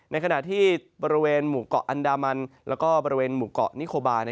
ในขณะที่บริเวณหมู่เกาะอันดามันแล้วก็บริเวณหมู่เกาะนิโคบา